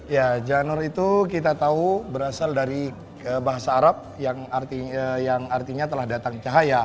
ya janur itu kita tahu berasal dari bahasa arab yang artinya telah datang cahaya